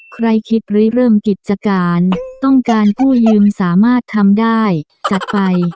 ใครคิดหรือเริ่มกิจการต้องการกู้ยืมสามารถทำได้จัดไป